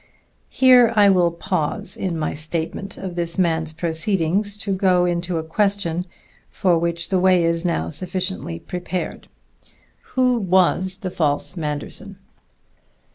Here I will pause in my statement of this man's proceedings to go into a question for which the way is now sufficiently prepared. _Who was the false Manderson?